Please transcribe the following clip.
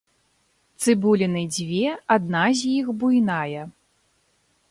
Цыбуліны дзве, адна з іх буйная.